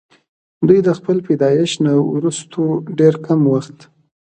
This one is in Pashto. دوي د خپل پيدائش نه وروستو ډېر کم وخت